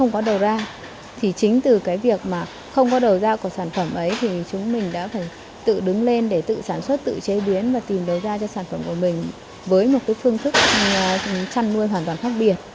chúng mình đã tự đứng lên để tự sản xuất tự chế biến và tìm đối ra cho sản phẩm của mình với một phương thức chăn nuôi hoàn toàn khác biệt